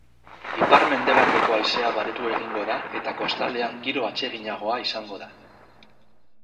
Ipar-mendebaldeko haizea baretu egingo da eta kostaldean giro atseginagoa izango da.